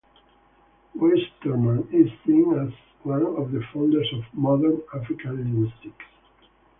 Westermann is seen as one of the founders of modern African linguistics.